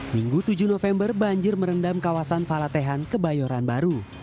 minggu tujuh november banjir merendam kawasan falatehan kebayoran baru